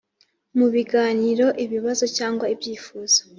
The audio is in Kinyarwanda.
mu biganiro ibibazo cyangwa ibyifuzo